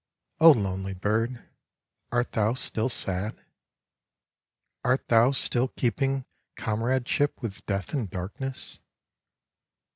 Oh, lonely bird, art thou still sad? Art thou still keeping comradeship with Death and Darkness?